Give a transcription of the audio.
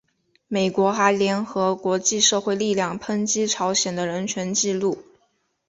美国还联合国际社会力量抨击朝鲜的人权纪录。